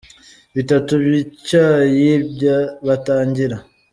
bitatu by’icyayi batangira.